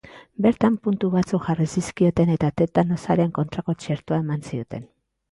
Bertan puntu batzuk jarri zizkioten eta tetanosaren kontrako txertoa eman zioten.